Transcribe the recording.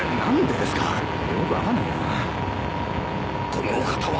このお方は。